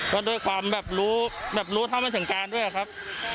ก็ด้วยความแบบรู้แบบรู้เท่าไม่ถึงการด้วยครับ